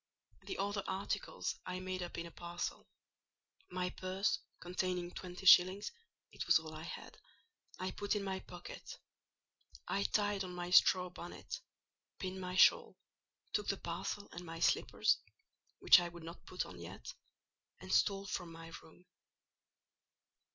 The other articles I made up in a parcel; my purse, containing twenty shillings (it was all I had), I put in my pocket: I tied on my straw bonnet, pinned my shawl, took the parcel and my slippers, which I would not put on yet, and stole from my room.